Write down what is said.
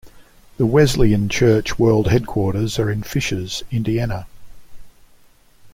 The Wesleyan Church world headquarters are in Fishers, Indiana.